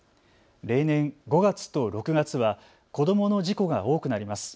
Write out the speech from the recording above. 例年５月と６月は子どもの事故が多くなります。